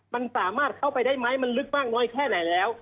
มันสามารถเข้าไปได้ไหมมันลึกมากน้อยแค่ไหนแล้ว